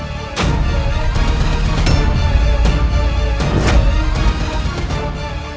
aku harus melakukan ini